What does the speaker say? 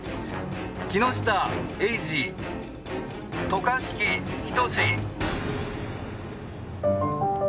木下英司渡嘉敷仁。